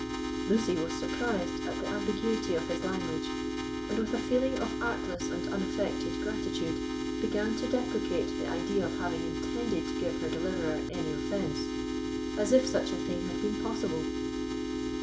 Lucy was surprised at the ambiguity of his language, and, with a feeling of artless and unaffected gratitude, began to deprecate the idea of having intended to give her deliverer any offence, as if such a thing had been possible.